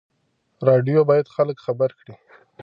راډیو باید خلک خبر کړي.